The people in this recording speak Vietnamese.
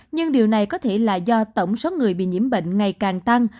nhưng điều này có thể là do tổng số người bị nhiễm bệnh ngày càng tăng